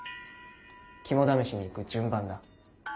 肝試しに行く順番だ。